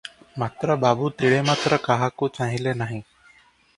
ମାତ୍ର ବାବୁ ତିଳେ ମାତ୍ର କାହାକୁ ଚାହିଁଲେ ନାହିଁ ।